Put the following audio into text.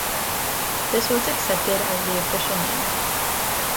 This was accepted as the official name.